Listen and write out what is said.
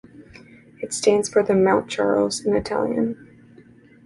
It stands for the "Mount Charles" in Italian.